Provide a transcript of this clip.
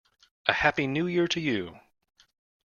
A happy New Year to you!